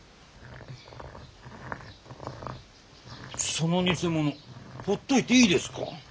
その偽者ほっといていいですか。